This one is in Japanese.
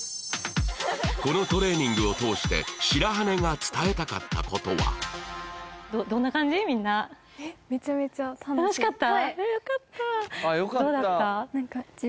このトレーニングを通して白羽が伝えたかったことは楽しかった？